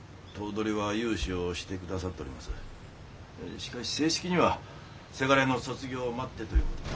しかし正式にはせがれの卒業を待ってということに。